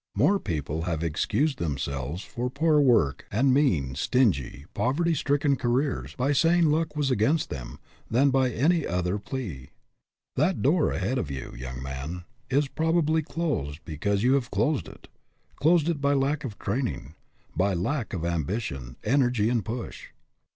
More people have excused themselves for poor work and mean, stingy, poverty stricken careers, by saying " luck was against them " than by any other plea. That door ahead of you, young man, is prob ably closed because you have closed it closed it by lack of training ; by a lack of ambition, energy, and push.